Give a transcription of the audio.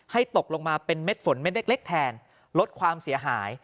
ตกลงมาเป็นเม็ดฝนเม็ดเล็กแทนลดความเสียหาย